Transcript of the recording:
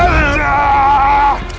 kami akan menangkap kalian